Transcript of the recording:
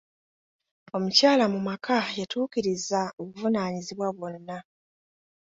Omukyala mu maka yatuukiriza obuvunaanyizibwa bwonna.